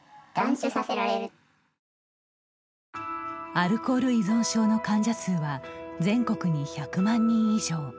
アルコール依存症の患者数は全国に１００万人以上。